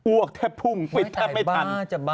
วกแทบพุ่งปิดแทบไม่ทัน